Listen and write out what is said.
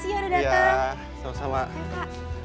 terima kasih sudah datang